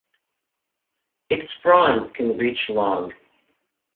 Its fronds can reach long.